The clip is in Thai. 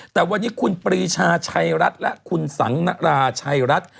แต่วันนี้คุณปรีชาชัยรัฐและคุณสังนราชัยรัฐ